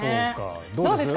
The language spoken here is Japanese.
どうですか？